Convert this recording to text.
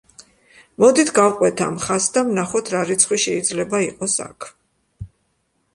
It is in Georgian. მოდით გავყვეთ ამ ხაზს და ვნახოთ რა რიცხვი შეიძლება იყოს აქ.